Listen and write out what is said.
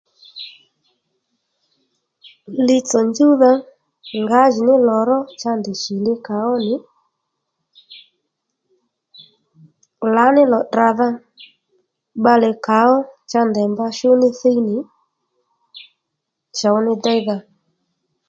Li tsò njúwdha ngǎjìní lò ró cha ndèy shì li kà ó nì lǎní lò tdràdha bbalè kà ó cha ndèy mba shú ní thiy nì chǒw ní déydha